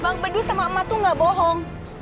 bang bedu sama emak tuh gak bohong